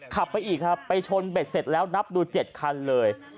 ขับไปอีกครับไปชนเบ็ดเสร็จแล้วนับดู๗คันเลย